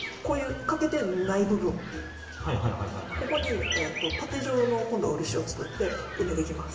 今度こういうここにパテ状の今度漆を作って埋めていきます。